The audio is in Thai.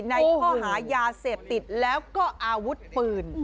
ในข้อหายาเสพติดแล้วก็อาวุธปืน